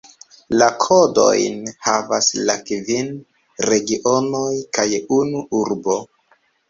La kodojn havas la kvin regionoj kaj unu urbo.